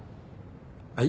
はい？